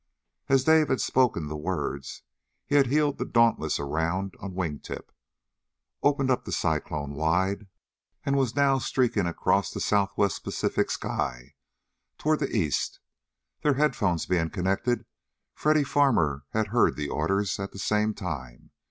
As Dave had spoken the words he had heeled the Dauntless around on wingtip, opened up the Cyclone wide, and was now streaking across the Southwest Pacific sky toward the east. Their headphones being connected, Freddy Farmer had heard the orders at the same time.